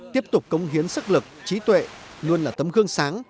tiếp tục công hiến sức lực trí tuệ luôn là tấm gương sáng